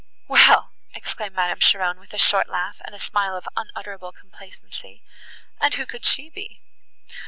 "Well!" exclaimed Madame Cheron, with a short laugh, and a smile of unutterable complacency, "and who could she be?"